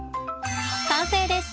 完成です！